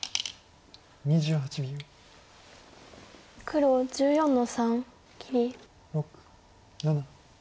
黒１４の三切り。